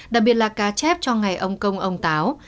đặc biệt là cá chép cho ngày ông công ông táo